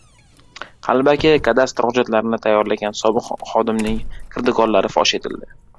Qalbaki kadastr hujjatlarini tayyorlagan sobiq xodimning kirdikorlari fosh etildi